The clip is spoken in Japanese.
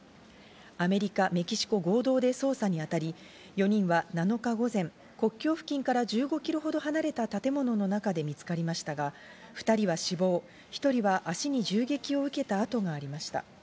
アメリカ、メキシコ合同で捜査にあたり、４人は７日午前、国境付近から１５キロほど離れた建物の中で見つかりましたが、２人は死亡、１人は足に銃撃を受けた痕がありました。